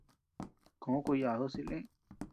Koʼö kuyadu silï.